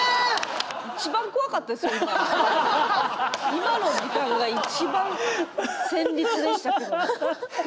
今の時間がいちばん戦慄でしたけど。